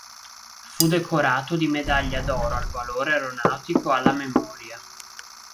Fu decorato di Medaglia d'oro al valore aeronautico alla memoria.